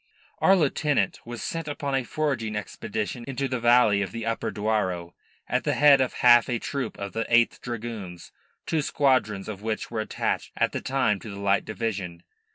Our lieutenant was sent upon a foraging expedition into the valley of the Upper Douro, at the head of a half troop of the 8th Dragoons, two squadrons of which were attached at the time to the Light Division.